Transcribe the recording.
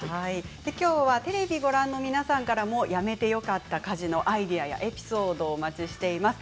きょうはテレビをご覧の皆さんからもやめてよかった家事のアイデアやエピソードをお待ちしています。